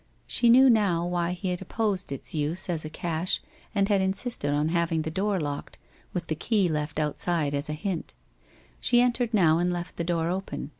She knew now why he had opposed its use as a cache and had insisted on hav ing the door locked, with the key left outside as a hint. She entered now and left the door open.